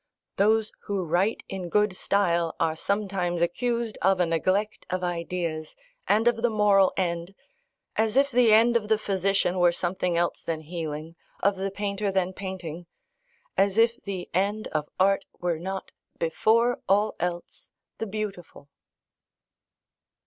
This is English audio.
Those who write in good style are sometimes accused of a neglect of ideas, and of the moral end, as if the end of the physician were something else than healing, of the painter than painting as if the end of art were not, before all else, the beautiful.